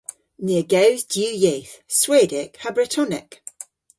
Ni a gews diw yeth - Swedek ha Bretonek.